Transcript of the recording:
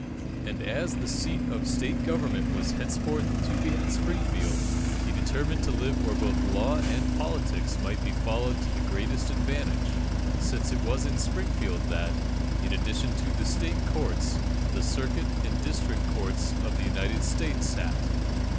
And as the seat of State Government was henceforth to be at Springfield, he determined to live where both law and politics might be followed to the greatest advantage, since it was in Springfield that, in addition to the State Courts, the Circuit and District Courts of the United States sat.